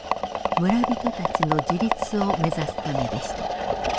村人たちの自立を目指すためでした。